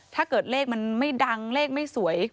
ถ้าเกิดเลขมันไม่ดังเลขไม่สวย